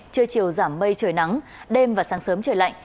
trưa chiều giảm mây trời nắng đêm và sáng sớm trời lạnh